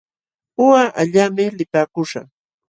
Uqa allaqmi lipaakuśhaq.